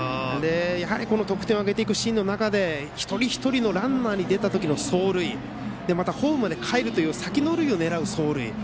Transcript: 得点を挙げていくシーンの中で一人一人のランナーが出たときの走塁ホームまでかえるという先の塁を狙う走塁。